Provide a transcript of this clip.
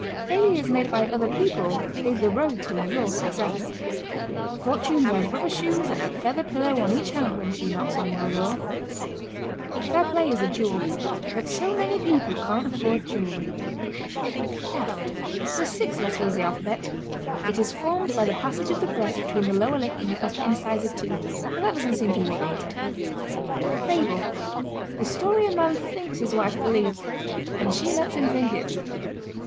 Failures made by other people pave the road to your Success. Fortune wears rubber shoes and a feather pillow on each hand when she knocks on your door. Fair play is a jewel, but so many people can't afford jewelry. ### F: The sixth letter of the alphabet. It is formed by the passage of the breath between the lower lip and the upper incisive teeth, but that doesn't seem to worry it any. ###FABLE. The story a man thinks his wife believes and she lets him think it.